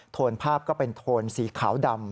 โทนภาพก็เป็นโทนสีขาวดำ